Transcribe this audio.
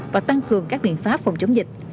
và tăng cường các biện pháp phòng chống dịch